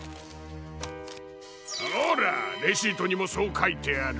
ほらレシートにもそうかいてある。